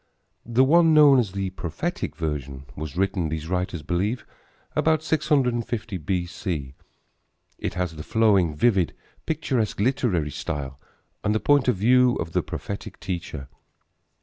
The one, known as the prophetic version, was written, these writers believe, about 650 B.C. It has the flowing, vivid, picturesque, literary style and the point of view of the prophetic teacher.